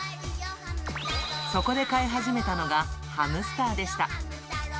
そこで飼い始めたのがハムスターでした。